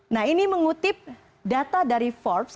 nah ini mengutip data dari forbes